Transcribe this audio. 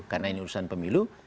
karena ini urusan pemilu